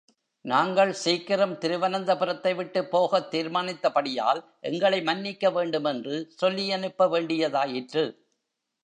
நாங்கள் சீக்கிரம் திருவனந்தபுரத்தை விட்டுப் போகத் தீர்மானித்தபடியால், எங்களை மன்னிக்க வேண்டுமென்று சொல்லியனுப்ப வேண்டியதாயிற்று.